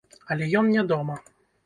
Але ён не дома.